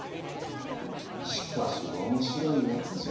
しかし面白いやつじゃ。